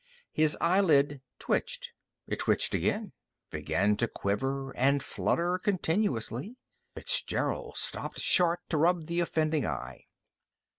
His eyelid twitched. It twitched again. It began to quiver and flutter continuously. Fitzgerald stopped short to rub the offending eye.